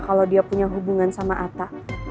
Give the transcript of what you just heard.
kalau dia punya hubungan sama atta